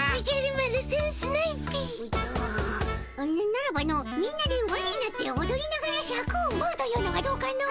ならばのみんなでわになっておどりながらシャクをうばうというのはどうかの？